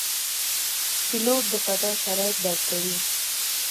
پیلوټ د فضا شرایط درک کوي.